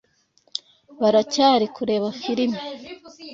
baracyari kureba firime